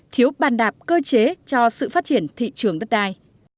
thiếu bàn đạp cơ chế cho sự phát triển thị trường đất đai